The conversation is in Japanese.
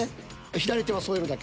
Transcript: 左手は添えるだけ。